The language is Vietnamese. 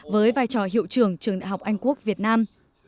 với vai trò hiệu trưởng trường đại học anh quốc việt nam